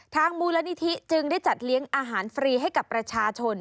มูลนิธิจึงได้จัดเลี้ยงอาหารฟรีให้กับประชาชน